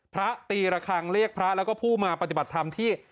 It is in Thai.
พระตีระคังเรียกพระแล้วก็ผู้มาปฏิบัติธรรมที่